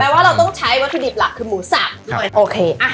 ว่าเราต้องใช้วัตถุดิบหลักคือหมูสับด้วยโอเค